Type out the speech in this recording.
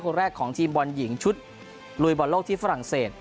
แรกของทีมบอลหญิงชุดลุยบอลโลกที่ฝรั่งเศส